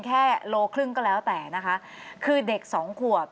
แค่๑๕กิโลเมตรก็แล้วแต่นะคะคือเด็กสองขวบ